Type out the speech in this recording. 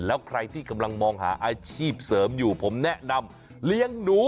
แล้วใครที่กำลังมองหาอาชีพเสริมอยู่ผมแนะนำเลี้ยงหนู